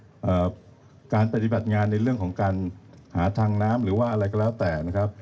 เอ่อการปฏิบัติงานในเรื่องของการหาทางน้ำหรือว่าอะไรก็แล้วแต่นะครับ